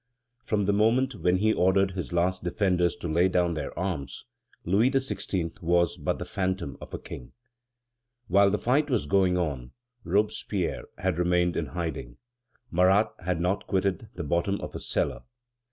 From the moment when he ordered his last defenders to lay down their arms, Louis XVI. was but the phantom of a king. While the fight was going on, Robespierre had remained in hiding; Marat had not quitted the bottom of a cellar.